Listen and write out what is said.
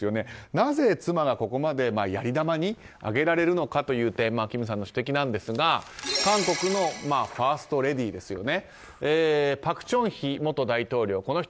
なぜ妻がここまでやり玉に挙げられるのかという点金さんの指摘なんですが、韓国のファーストレディーですよね。